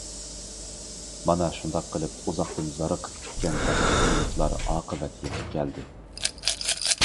مانا شۇنداق قىلىپ ئۇزاقتىن زارىقىپ كۈتكەن بەختلىك مىنۇتلار ئاقىۋەت يېتىپ كەلدى.